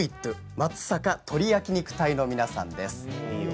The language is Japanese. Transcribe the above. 松阪鶏焼き肉隊の皆さんです。